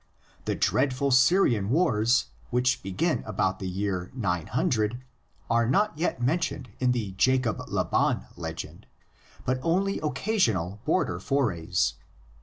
The dreadful Syrian wars, which begin about the year goo, are not yet mentioned in the Jacob Laban legend, but only occasional border forays.